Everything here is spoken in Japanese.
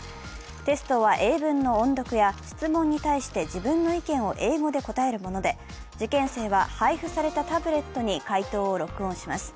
テストは、英文の音読や質問に対して自分の意見を英語で答えるもので、受験生は配布されたタブレットに解答を録音します。